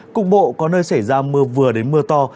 cục bộ có nơi xảy ra mưa vừa đến mưa to